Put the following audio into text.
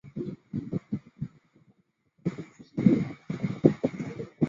而那些列车绝大部分是急行与特急列车。